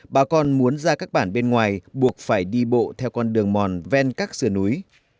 bà con muốn ra các bản bên ngoài buộc phải đi bộ theo con đường mòn ven các sườn núi